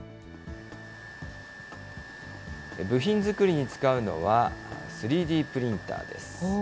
部品作りに使うのは、３Ｄプリンターです。